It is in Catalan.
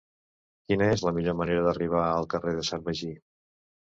Quina és la millor manera d'arribar al carrer de Sant Martí?